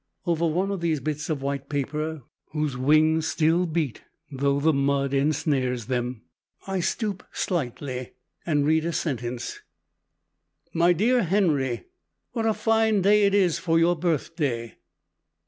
Over one of these bits of white paper, whose wings still beat though the mud ensnares them, I stoop slightly and read a sentence "My dear Henry, what a fine day it is for your birthday!"